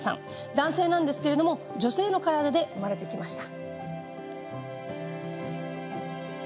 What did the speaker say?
男性なんですけれども女性の体で生まれてきました。